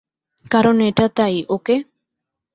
কারণ এটা তাই, ওকে?